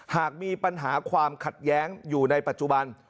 หากมีปัญหาความขัดแย้งอยู่ในปัจจุบัน